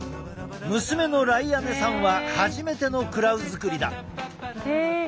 娘のライアネさんは初めてのクラウ作りだ。